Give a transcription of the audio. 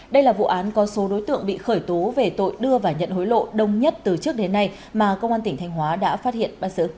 đây là vụ án có số đối tượng bị khởi tố về tội đưa và nhận hối lộ đông nhất từ trước đến nay mà công an tỉnh thanh hóa đã phát hiện bắt xử